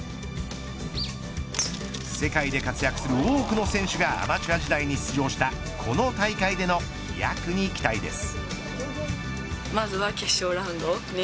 世界で活躍する多くの選手がアマチュア時代に出場したこの大会での飛躍に期待です。